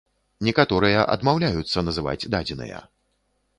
Некаторыя адмаўляюцца называць дадзеныя.